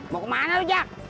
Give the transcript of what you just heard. mau kemana lu jack